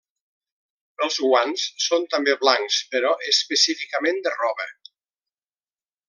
Els guants són també blancs però específicament de roba.